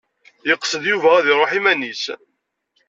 Yeqsed Yuba ad iṛuḥ iman-is.